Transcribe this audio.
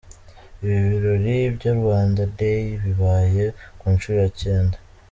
Ibi birori bya Rwanda Day bibaye ku nshuro ya cyenda.